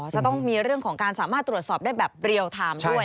จะต้องมีเรื่องของการสามารถตรวจสอบได้แบบเรียลไทม์ด้วย